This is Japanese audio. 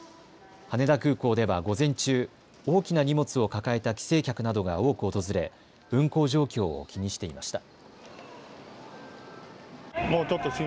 羽田空港では午前中、大きな荷物を抱えた帰省客などが多く訪れ運航状況を気にしていました。